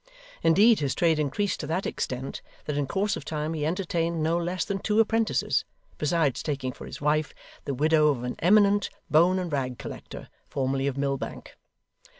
Indeed his trade increased to that extent, that in course of time he entertained no less than two apprentices, besides taking for his wife the widow of an eminent bone and rag collector, formerly of Millbank.